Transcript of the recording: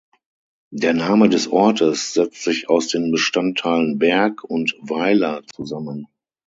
Der Name des Ortes setzt sich aus den Bestandteilen „Berg“ und „Weiler“ zusammen.